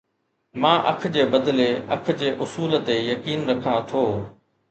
مان اک جي بدلي اک جي اصول تي يقين رکان ٿو